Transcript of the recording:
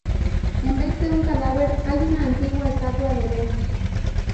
En vez de un cadáver, hay una antigua estatua de Venus.